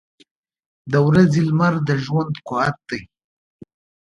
• د ورځې لمر د ژوند قوت دی.